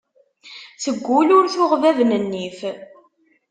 Teggul ur tuɣ bab n nnif.